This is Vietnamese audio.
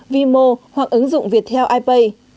vimo hoặc ứng dụng viettel ipay